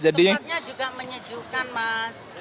tempatnya juga menyejukkan mas